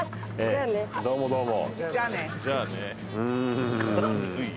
どうもどうも。